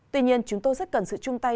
tuy nhiên chúng tôi rất cần sự chung tay